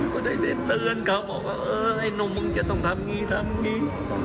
ก็ได้แต่เตือนเขาบอกว่าเอ๊ยนุ่มมึงจะต้องทำงี้ทำงี้